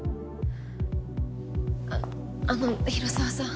ああの広沢さん。